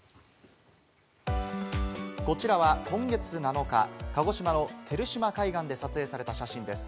こちらは今月７日、鹿児島の照島海岸で撮影された写真です。